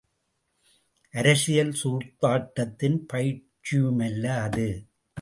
அரசியல் சூதாட்டத்தின் பயிற்சியுமல்ல அது.